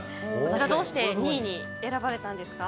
どうして２位に選ばれたんですか？